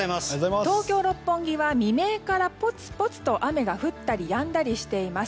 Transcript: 東京・六本木は未明からぽつぽつと雨が降ったりやんだりしています。